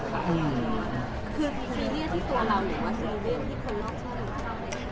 คือซีเรียบที่ตัวเราหรือยังหรือว่าซีเรียพที่คนล่าช่วยไม่มี